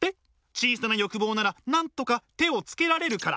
小さな欲望ならなんとか手をつけられるから。